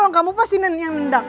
orang kamu pasti yang nendang